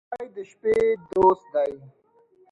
چای د شپې دوست دی.